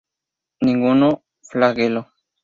Ninguno flagelo.